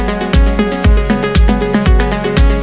อ่า